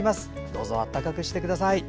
どうぞ暖かくしてください。